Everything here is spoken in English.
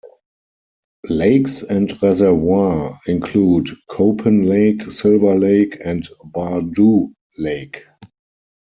Lakes and reservoirs include Copan Lake, Silver Lake and Bar-Dew Lake.